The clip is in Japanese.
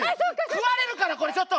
食われるからこれちょっと。